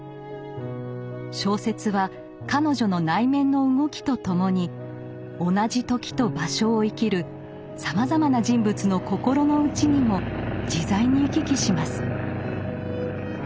小説は彼女の内面の動きとともに同じ時と場所を生きるさまざまな人物の心の内にも自在に行き来します。